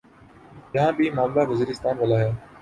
یہاں بھی معاملہ وزیرستان والا ہے۔